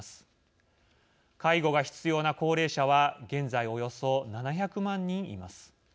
介護が必要な高齢者は現在およそ７００万人います。